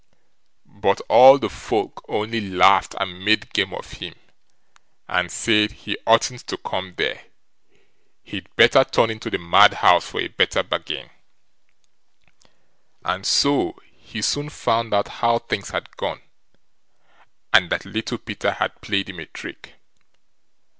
But all the folk only laughed and made game of him, and said he oughtn't to come there; he'd better turn into the madhouse for a better bargain, and so he soon found out how things had gone, and that Little Peter had played him a trick.